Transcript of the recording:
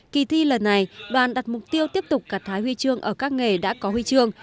kỳ thi lần này đoàn đặt mục tiêu tiếp tục gạt thái huy chương ở các nghề đã có huy chương